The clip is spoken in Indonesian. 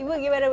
ibu gimana ibu